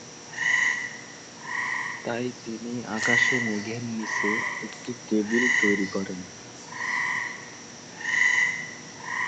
তাই তিনি আকাশে মেঘের নিচে একটি 'টেবিল' তৈরি করেন।